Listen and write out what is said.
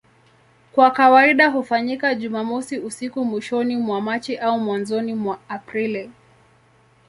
Kwa kawaida hufanyika Jumamosi usiku mwishoni mwa Machi au mwanzoni mwa Aprili.